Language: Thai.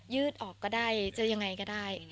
ืดออกก็ได้จะยังไงก็ได้